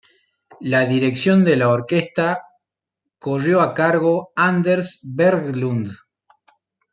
La dirección de la orquesta corrió a cargo Anders Berglund.